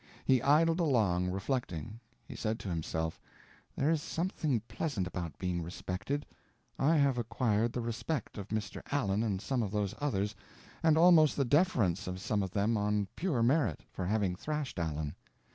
He idled along, reflecting. He said to himself, "There is something pleasant about being respected. I have acquired the respect of Mr. Allen and some of those others, and almost the deference of some of them on pure merit, for having thrashed Allen.